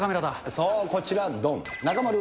そう、こちら、どん。